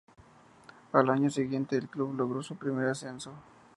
Al año siguiente el club logró su primer ascenso.